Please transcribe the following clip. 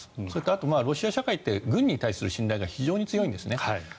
それとロシア社会って軍に対する信頼が非常に強いんです。